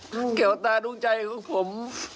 แก่วตาดุ้งใจของผม